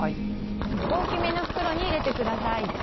大きめの袋に入れてください。